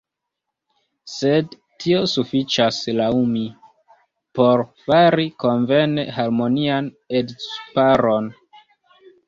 Sed tio sufiĉas, laŭ mi, por fari konvene harmonian edzparon.